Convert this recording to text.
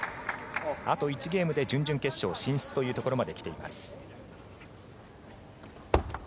あと１ゲームで準々決勝進出というところまできています。